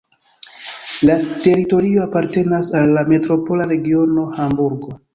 La teritorio apartenas al la metropola regiono Hamburgo.